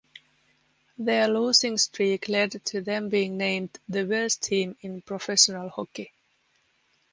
Their losing streak led to them being named "the worst team in professional hockey".